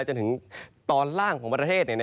จนถึงตอนล่างของประเทศ